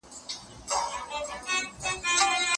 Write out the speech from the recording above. له حرص او تمې څخه ځان وساتئ.